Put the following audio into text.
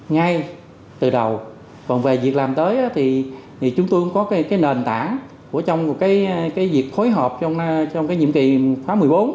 ngay từ đầu còn về việc làm tới thì chúng tôi cũng có nền tảng trong việc khối hợp trong nhiệm kỳ khóa một mươi bốn